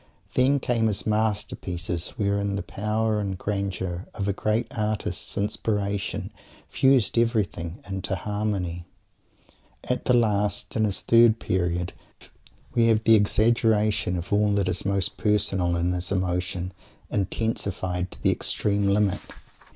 Then came his masterpieces wherein the power and grandeur of a great artist's inspiration fused everything into harmony. At the last, in his third period, we have the exaggeration of all that is most personal in his emotion intensified to the extreme limit.